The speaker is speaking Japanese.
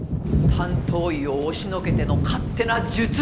担当医を押しのけての勝手な術式変更！